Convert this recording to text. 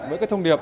với thông điệp